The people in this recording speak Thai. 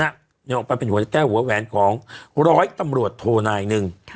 เนี่ยจะออกไปเป็นหัวแก้วหัวแหวนของ๑๐๐ตำรวจโทรนายนึง